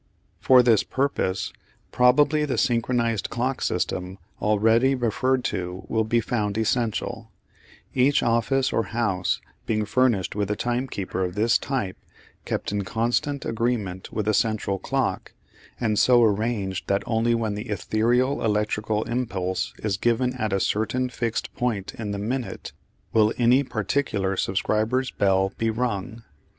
For this purpose probably the synchronised clock system already referred to will be found essential, each office or house being furnished with a timekeeper of this type kept in constant agreement with a central clock, and so arranged that only when the ethereal electrical impulse is given at a certain fixed point in the minute, will any particular subscriber's bell be rung.